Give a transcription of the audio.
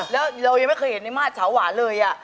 เรายังไม่เคยเห็นในมาร์ดสาวหวานเลย